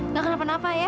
gak kena penapa ya